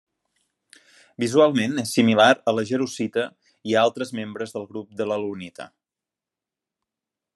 Visualment és similar a la jarosita i a altres membres del grup de l'alunita.